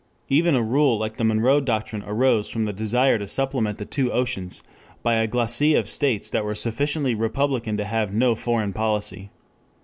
Even a rule like the Monroe Doctrine arose from the desire to supplement the two oceans by a glacis of states that were sufficiently republican to have no foreign policy.